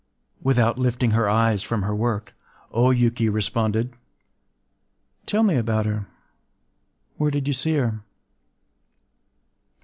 ”... Without lifting her eyes from her work, O Yuki responded:— “Tell me about her... Where did you see her?